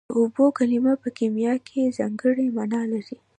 د اوبو کلمه په کیمیا کې ځانګړې مانا لري